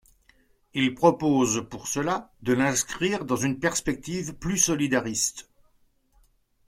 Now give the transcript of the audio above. Il propose pour cela de l'inscrire dans une perspective plus solidariste.